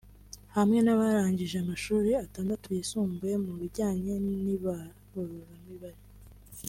hamwe n’abarangije amashuri atandatu yisumbuye mu bijyanye n’ibaruramibare